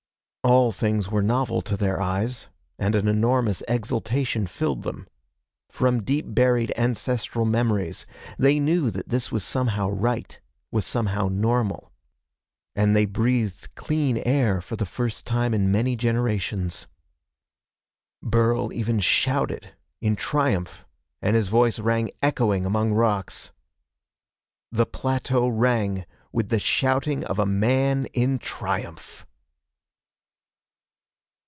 All things were novel to their eyes, and an enormous exultation filled them. From deep buried ancestral memories, they knew that this was somehow right, was somehow normal. And they breathed clean air for the first time in many generations. Burl even shouted, in triumph, and his voice rang echoing among rocks. The plateau rang with the shouting of a man in triumph!